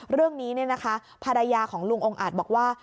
เรื่องนี้ภรรยาของลุงองค์อาจบอกว่า